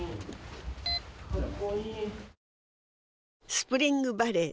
スプリングバレー